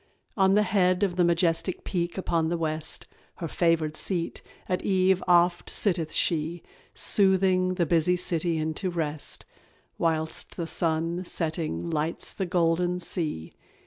On the head Of the majestic peak upon the west, Her favoured seat, at eve oft sitteth she, Soothing the busy city into rest, Whilst the sun setting lights the golden sea.